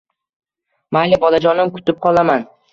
- Mayli, bolajonim, kutib qolaman.